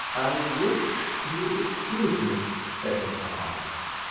"I wish you'd excuse me," said Mr Harding.